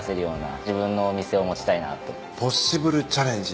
ポッシブルチャレンジ。